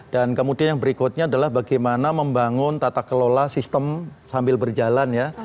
dan kemudian yang berikutnya adalah bagaimana membangun tata kelola sistem sambil berjalan ya